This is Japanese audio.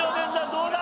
どうだ？